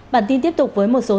bản tin tiếp tục với một số tin tức